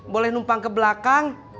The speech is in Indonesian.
boleh numpang ke belakang